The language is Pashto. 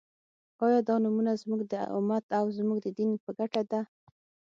آیا دا نومؤنه زموږ د امت او زموږ د دین په ګټه ده؟